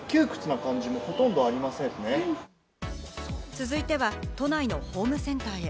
続いては、都内のホームセンターへ。